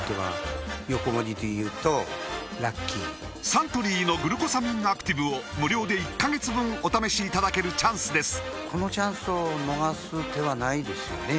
サントリーの「グルコサミンアクティブ」を無料で１カ月分お試しいただけるチャンスです